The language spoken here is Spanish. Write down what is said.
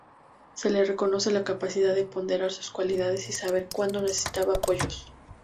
Se le reconoce la capacidad de ponderar sus cualidades y saber cuándo necesitaba apoyos.